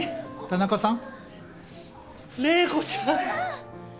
田中さん！